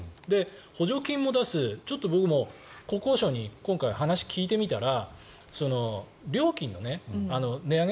補助金も出すちょっと僕も国交省に今回、話を聞いてみたら料金の値上げ